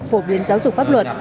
phổ biến giáo dục pháp luật